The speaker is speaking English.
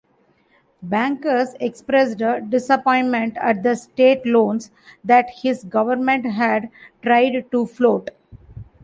Bankers expressed disappointment at the state loans that his government had tried to float.